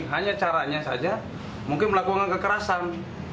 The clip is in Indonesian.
hanya caranya saja mungkin melakukan kekerasan